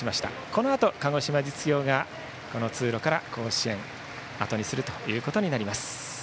このあと鹿児島実業がこの通路から甲子園をあとにすることになります。